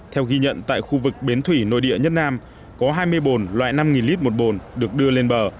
theo ghi nhận tại khu vực bến thủy nội địa nhất nam có hai mươi bồn loại năm lít một bồn được đưa lên bờ